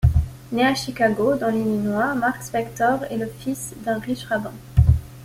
Né à Chicago, dans l'Illinois, Marc Spector est le fils d'un riche rabbin.